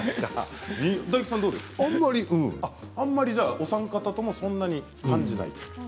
お三方ともそんなに感じない。